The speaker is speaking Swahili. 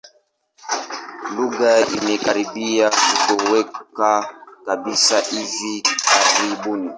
Lugha imekaribia kutoweka kabisa hivi karibuni.